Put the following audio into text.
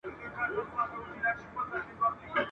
پر جهان یې غوړېدلی سلطنت وو ..